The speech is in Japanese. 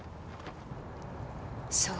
そう。